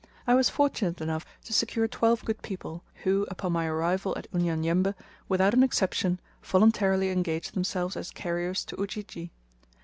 I was fortunate enough to secure twelve good people, who, upon my arrival at Unyanyembe, without an exception, voluntarily engaged themselves as carriers to Ujiji.